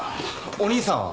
お兄さんは？